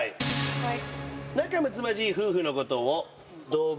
はい。